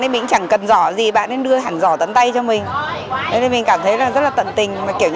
mình chẳng cần giỏ gì bạn nên đưa hẳn giỏ tấn tay cho mình nên mình cảm thấy là rất là tận tình